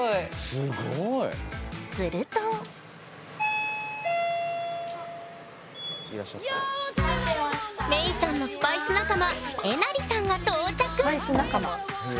するとメイさんのスパイス仲間えなりさんが到着スパイス仲間。